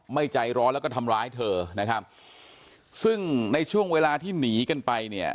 ใจร้อนแล้วก็ทำร้ายเธอนะครับซึ่งในช่วงเวลาที่หนีกันไปเนี่ย